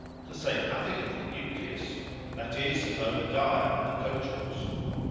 —To say nothing of the NUCLEUS; that is, of Obadiah and the coach horse.